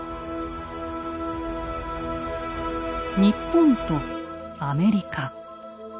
日本とアメリカ。